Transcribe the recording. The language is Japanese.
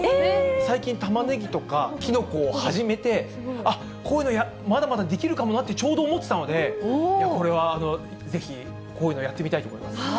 最近、タマネギとかキノコを始めて、あっ、こういうのまだまだできるかもなって、ちょうど思ってたので、これはぜひ、こういうのをやってみたいと思います。